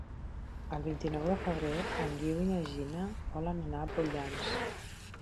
El vint-i-nou de febrer en Guiu i na Gina volen anar a Prullans.